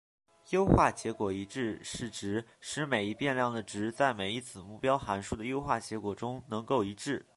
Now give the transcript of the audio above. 优化结果一致是指使每一变量的值在每一子目标函数的优化结果中能够一致。